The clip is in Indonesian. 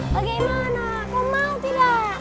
bagaimana kau mau tidak